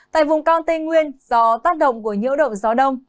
tại vùng cao tây nguyên do tác động của nhiễu động gió đông